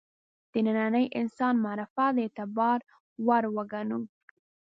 د ننني انسان معرفت د اعتبار وړ وګڼو.